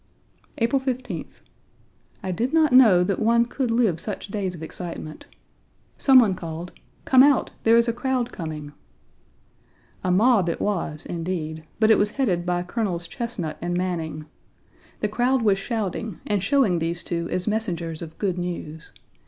April 15th. I did not know that one could live such days of excitement. Some one called: "Come out! There is a crowd coming." A mob it was, indeed, but it was headed by Colonels Chesnut and Manning. The crowd was shouting and showing these two as messengers of good news.